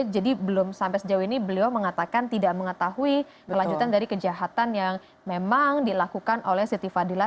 jadi belum sampai sejauh ini beliau mengatakan tidak mengetahui kelanjutan dari kejahatan yang memang dilakukan oleh siti fadila